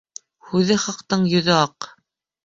Һүҙе хаҡтың йөҙө аҡ.